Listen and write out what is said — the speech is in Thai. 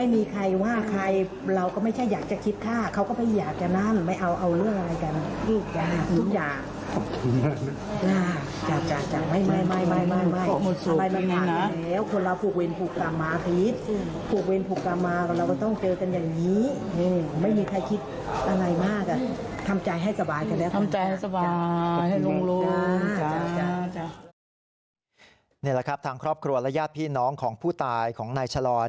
นี่แหละครับทางครอบครัวและญาติพี่น้องของผู้ตายของนายชะลอน